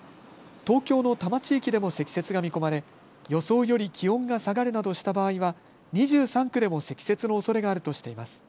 東京の多摩地域でも積雪が見込まれ、予想より気温が下がるなどした場合は２３区でも積雪のおそれがあるとしています。